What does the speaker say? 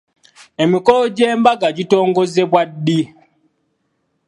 Emikolo gy'embaga gitongozebwa ddi ?